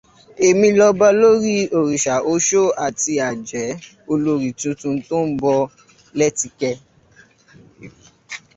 Èmi l'ọba lórí òrìṣà, oṣó àti ajẹ́, Olorì tuntun tó ń bọ̀ lẹ́tikẹ.